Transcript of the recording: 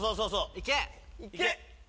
行け！